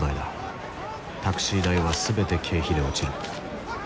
タクシー代は全て経費で落ちる。